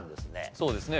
そうですね。